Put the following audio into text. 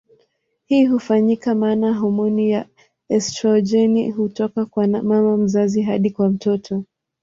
Hii hufanyika maana homoni ya estrojeni hutoka kwa mama mzazi hadi kwa mtoto.